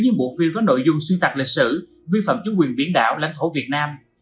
những bộ phim có nội dung xuyên tạc lịch sử vi phạm chủ quyền biển đảo lãnh thổ việt nam